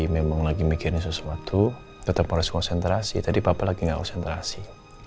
memang lagi mikirin sesuatu tetap harus konsentrasi tadi papa lagi nggak konsentrasi